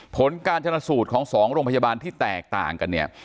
ผลการชนสูตรของ๒โรงพยาบาลที่แตกต่างกันเนี่ย